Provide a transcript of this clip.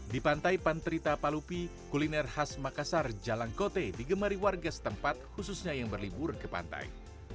di pantai pantri tapalupi kuliner khas makassar jalangkote digemari warga setempat khususnya yang berlibur ke pantai